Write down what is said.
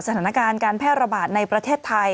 สถานการณ์การแพร่ระบาดในประเทศไทย